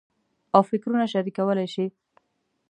او فکرونه شریکولای شي.